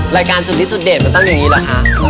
รายการสุดที่สุดเด็ดมันตั้งอย่างนี้เหรอคะ